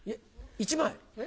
１枚。